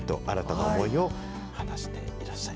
新たな思いを話していら